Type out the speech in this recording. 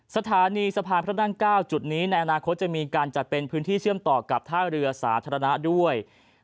สถานีสะพานพระนั่ง๙จุดนี้ในอนาคตจะมีการจัดเป็นพื้นที่เชื่อมต่อกับท่าเรือสาธารณะด้วย